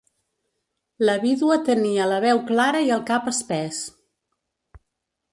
La vídua tenia la veu clara i el cap espès.